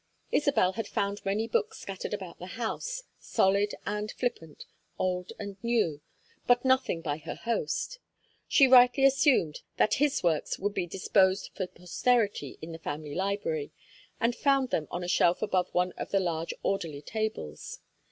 Isabel had found many books scattered about the house, solid and flippant, old and new, but nothing by her host. She rightly assumed that his works would be disposed for posterity in the family library, and found them on a shelf above one of the large orderly tables.